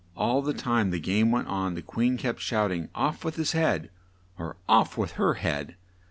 All the time the game went on the Queen kept shout ing, "Off with his head!" or "Off with her head!"